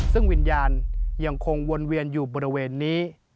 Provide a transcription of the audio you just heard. ซึ่งวิญญาณยังคงวนเวียนอยู่บริเวณนี้